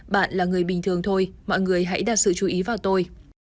bạn là người bình thường thôi mọi người hãy đặt sự chú ý vào tôi